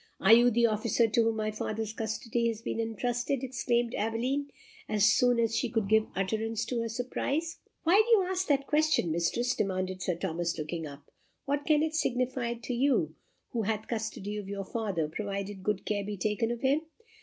"Are you the officer to whom my father's custody has been entrusted?" exclaimed Aveline, as soon as she could give utterance to her surprise. "Why do you ask that question, mistress?" demanded Sir Thomas, looking up. "What can it signify to you who hath custody of your father, provided good care be taken of him?